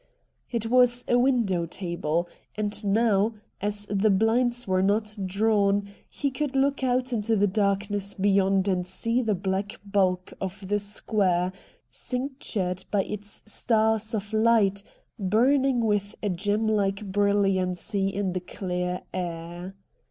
It was a window table, and now, as the blinds were not drawn, he could look out into the darkness beyond and see the black bulk of the square, cinc tured by its stars of light, burning with a gemlike brilHancy in the clear air.